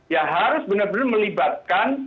ya harus benar benar melibatkan